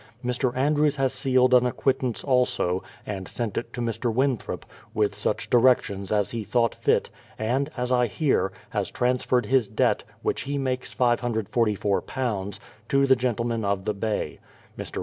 Mr. Andrews has sealed an acquittance also, and sent it to Mr. Winthrop, with such directions as he thought fit, and, as I hear, has transferred his debt, which he makes ^544, to the gentlemen of the Bay. Mr.